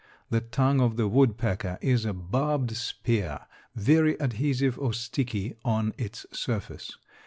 The tongue of the woodpecker is a barbed spear, very adhesive or sticky on its surface.